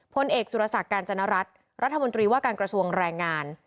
พลเอกสุรศักดิ์การจนรัฐรัฐมนตรีว่าการกระทรวงแรงงาน